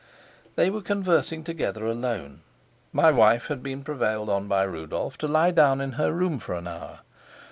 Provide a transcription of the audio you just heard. They were conversing together alone. My wife had been prevailed on by Rudolf to lie down in her room for an hour.